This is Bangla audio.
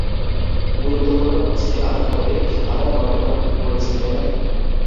গুরুত্বপূর্ণ হচ্ছে, আমার মতে, আমরা বর্তমানে কী করছি, তাই না?